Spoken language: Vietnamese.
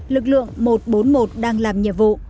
lực lượng một trăm bốn mươi một đcn